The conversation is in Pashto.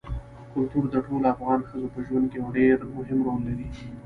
کلتور د ټولو افغان ښځو په ژوند کې یو ډېر مهم رول لري.